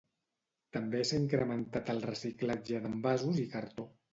També s'ha incrementat el reciclatge d'envasos i cartó.